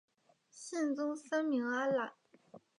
宗宪三名阿懒。